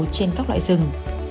trên các loại rừng